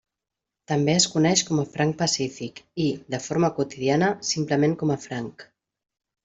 També es coneix com a franc Pacífic, i, de forma quotidiana, simplement com a franc.